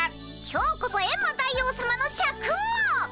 今日こそエンマ大王さまのシャクを！